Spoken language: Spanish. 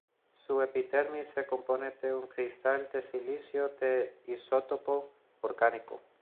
Su epidermis se compone de un cristal de silicio de isótopo orgánico.